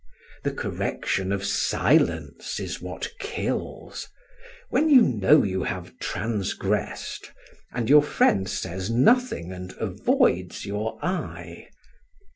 The correction of silence is what kills; when you know you have transgressed, and your friend says nothing and avoids your eye.